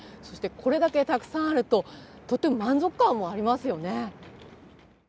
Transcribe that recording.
そしてこれだけたくさんあるととても満足感もありますよね。